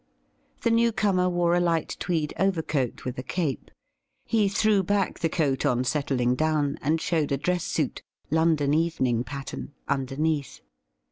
The new comer wore a light tweed overcoat with a cape. He threw back the coat on settling down, and showed a dress suit — London evening pattern — underneath.